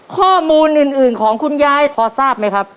ข้อมูลอื่นของคุณยายพอทราบไหมครับ